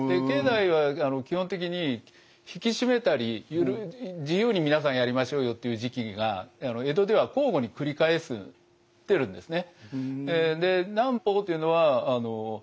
経済は基本的に引き締めたり自由に皆さんやりましょうよっていう時期が江戸では交互に繰り返してるんですね。